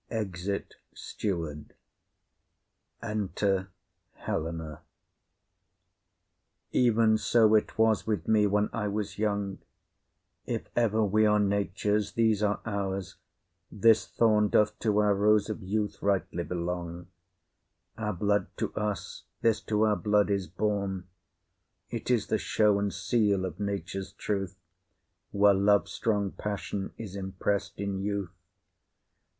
[Exit Steward.] Enter Helena. Even so it was with me when I was young; If ever we are nature's, these are ours; this thorn Doth to our rose of youth rightly belong; Our blood to us, this to our blood is born; It is the show and seal of nature's truth, Where love's strong passion is impress'd in youth.